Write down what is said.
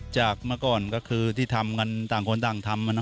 ชาวนาในพื้นที่เข้ารวมกลุ่มและสร้างอำนาจต่อรองได้